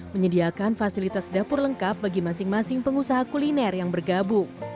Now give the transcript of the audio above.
menyediakan fasilitas dapur lengkap bagi masing masing pengusaha kuliner yang bergabung